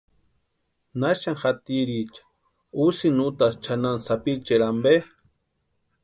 ¿Naxani jatiricha úxuni utasï chʼanani sapichaeri ampe?